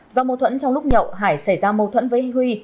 do mâu thuẫn trong lúc nhậu hải xảy ra mâu thuẫn với huy